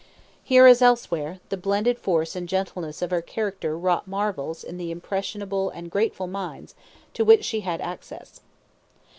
Here, as elsewhere, the blended force and gentleness of her character wrought marvels in the impressible and grateful minds to which she had access.